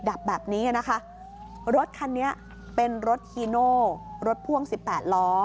ดับแบบนี้นะคะรถคันนี้เป็นรถฮีโน่รถพ่วงสิบแปดล้อ